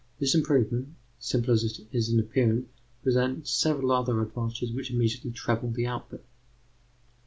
This improvement, simple as it is in appearance, presents several other advantages which immediately treble the output.